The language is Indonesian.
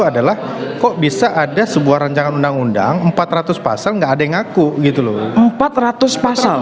adalah kok bisa ada sebuah rancangan undang undang empat ratus pasal enggak ada yang ngaku gitu loh empat ratus pasal